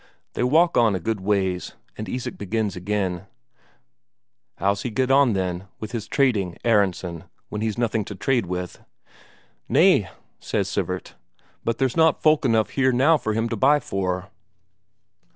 They walk on a good ways, and Isak begins again: "How's he get on, then, with his trading, Aronsen, when he's nothing to trade with?" "Nay," says Sivert. "But there's not folk enough here now for him to buy for."